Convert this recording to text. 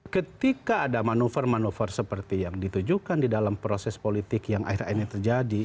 ketika ada manuver manuver seperti yang ditujukan di dalam proses politik yang akhir akhir ini terjadi